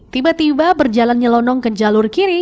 tiba tiba berjalan nyelonong ke jalur kiri